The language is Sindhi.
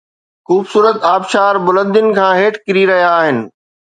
خوبصورت آبشار بلندين کان هيٺ ڪري رهيا آهن